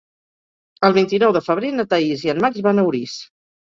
El vint-i-nou de febrer na Thaís i en Max van a Orís.